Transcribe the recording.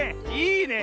いいね。